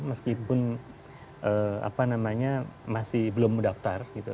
meskipun apa namanya masih belum mendaftar gitu